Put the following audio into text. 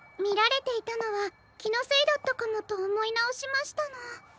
みられていたのはきのせいだったかもとおもいなおしましたの。